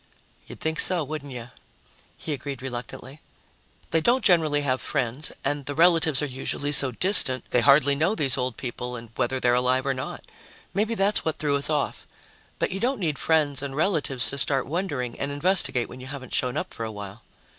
"You'd think so, wouldn't you?" he agreed reluctantly. "They don't generally have friends, and the relatives are usually so distant, they hardly know these old people and whether they're alive or not. Maybe that's what threw us off. But you don't need friends and relatives to start wondering, and investigate when you haven't shown up for a while."